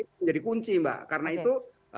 menjadi kunci mbak karena itu